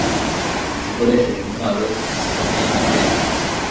zikoresheje intwaro zikomeye n'indege